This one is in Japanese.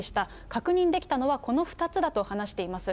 確認できたのはこの２つだと話しています。